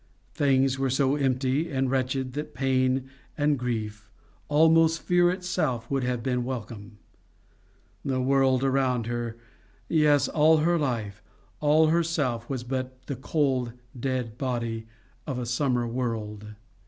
Things were so empty and wretched that pain and grief, almost fear itself, would have been welcome. The world around her, yes, all her life, all herself, was but the cold dead body of a summer world.